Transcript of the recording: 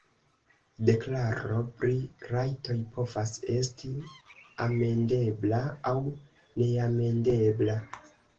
Deklaro pri rajtoj povas esti "amendebla" aŭ "neamendebla".